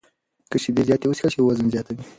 که شیدې زیاتې وڅښل شي، وزن زیاتوي.